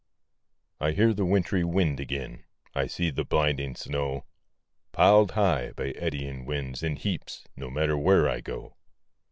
I hear the wintry wind again, I see the blinding snow, Pil'd high, by eddying winds, in heaps, No matter where I go.